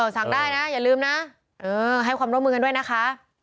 สั่งได้นะอย่าลืมนะให้ความร่วมมือกันด้วยนะคะ